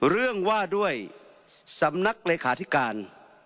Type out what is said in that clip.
เรื่องว่าด้วยสำนักเลขาธิการ